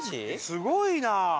すごいなあ！